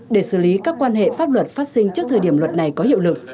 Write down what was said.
để xử lý các quan hệ pháp luật phát sinh trước thời điểm luật này có hiệu lực